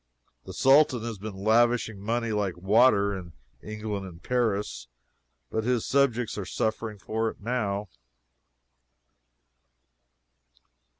The Sultan has been lavishing money like water in England and Paris, but his subjects are suffering for it now.